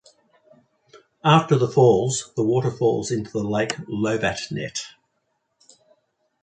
After the falls, the water flows into the lake Lovatnet.